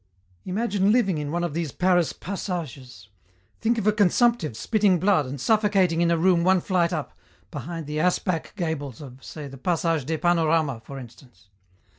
"Imagine living in one of these Paris passages. Think of a consumptive spitting blood and suffocating in a room one flight up, behind the 'ass back' gables of, say the passage des Panoramas, for instance.